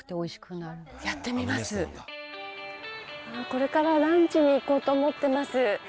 これからランチに行こうと思ってます。